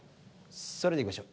それではいきましょう。